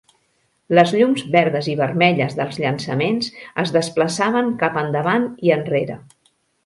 Les llums verdes i vermelles dels llançaments es desplaçaven cap endavant i enrere.